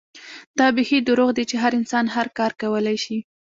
دا بيخي دروغ دي چې هر انسان هر کار کولے شي